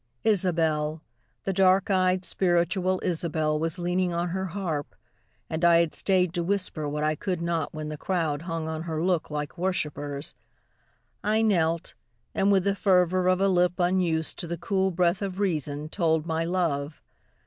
Isabel, The dark eyed, spiritual Isabel Was leaning on her harp, and I had staid To whisper what I could not when the crowd Hung on her look like worshippers. I knelt, And with the fervor of a lip unused To the cool breath of reason, told my love.